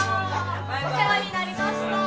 お世話になりました。